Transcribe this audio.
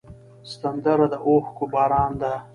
سندره د اوښکو باران ده